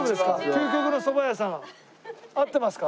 究極のそば屋さん合ってますか？